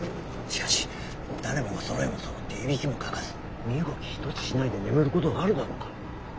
しかし誰もがそろいもそろっていびきもかかず身動き一つしないで眠ることがあるだろうか？